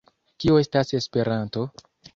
Kio estas Esperanto?